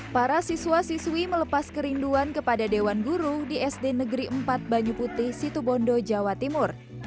para siswa siswi melepas kerinduan kepada dewan guru di sd negeri empat banyu putih situbondo jawa timur